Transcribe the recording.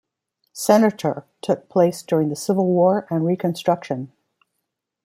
Senator took place during the Civil War and Reconstruction.